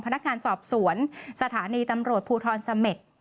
พนักงานสอบสวนสถานีตำรวจภูทรเสม็ด